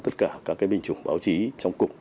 tất cả các binh chủng báo chí trong cục